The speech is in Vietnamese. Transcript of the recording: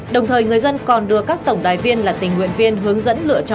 đồng thời người dân còn đưa các tổng đài viên là tình nguyện viên hướng dẫn lựa chọn